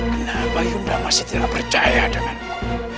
kenapa yunda masih tidak percaya denganku